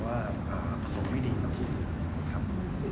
ก็เป็นเรื่องของหน้าที่ของฝ่ายกฎหมายครับ